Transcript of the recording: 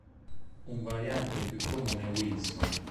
Un variante più comune è "Wilson".